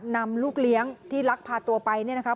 นำลูกเลี้ยงที่ลักษณ์พาตัวไปค่ะ